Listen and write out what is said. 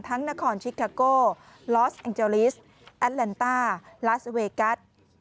ทั้งนครชิคกาโก้ลอสแองเจอริสแอตเลนต้าลาสเวกัส